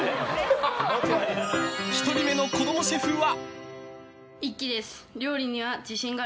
１人目の子供シェフは。